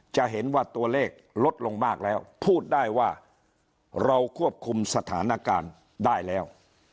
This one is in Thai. จะเห็นว่าตัวเลขลดลงมากแล้วพูดได้ว่าเราควบคุมสถานการณ์ได้แล้ว